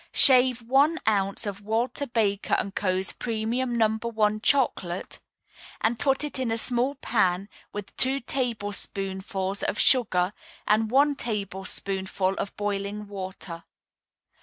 Shave one ounce of Walter Baker & Co.'s Premium No. 1 Chocolate, and put it in a small pan with two tablespoonfuls of sugar and one tablespoonful of boiling water.